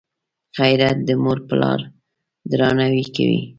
غیرت د موروپلار درناوی کوي